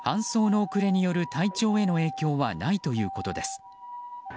搬送の遅れによる体調への影響はないということです。